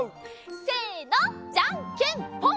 せのじゃんけんぽん！